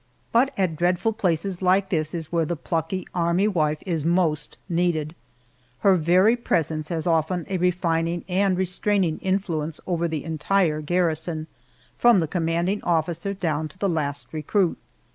But at dreadful places like this is where the plucky army wife is most needed. Her very presence has often a refining and restraining influence over the entire garrison, from the commanding officer down to the last recruit.